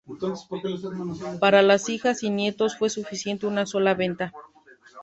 Para las hijas y nietos fue suficiente una sola venta.